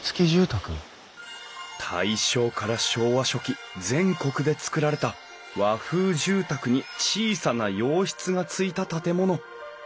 大正から昭和初期全国で造られた和風住宅に小さな洋室がついた建物。